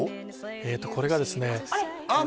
えっとこれがですねあっ